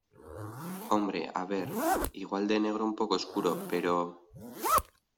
hombre, a ver , igual de negro un poco oscuro , pero...